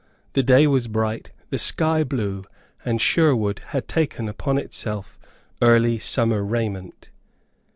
The day was bright, the sky blue, and Sherwood had taken upon itself early summer raiment.